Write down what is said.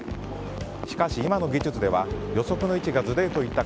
しかし、今の技術では予測の位置がずれるといった